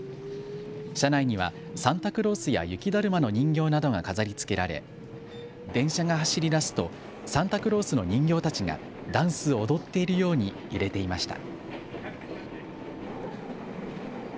車内にはサンタクロースや雪だるまの人形などが飾りつけられ、電車が走りだすとサンタクロースの人形たちがダンスを踊っているように揺れていました。